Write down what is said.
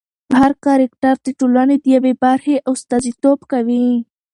هر کرکټر د ټولنې د یوې برخې استازیتوب کوي.